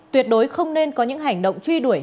tuyệt đối không nên có những hành động truy đuổi